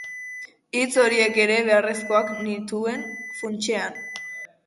Hitz horiek ere beharrezkoak nituen funtsean.